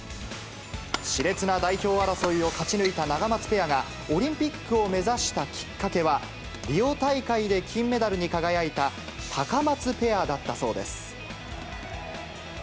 しれつな代表争いを勝ち抜いたナガマツペアが、オリンピックを目指したきっかけは、リオ大会で金メダルに輝いたタカマツペアだったそうです。